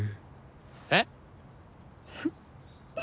えっ！？